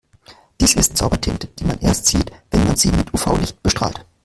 Dies ist Zaubertinte, die man erst sieht, wenn man sie mit UV-Licht bestrahlt.